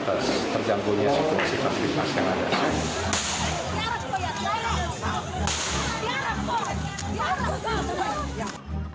terjangkunya situasi terbit masyarakat